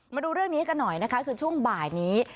มาดูเรื่องนี้กันหน่อยนะคะคือช่วงบ่ายนี้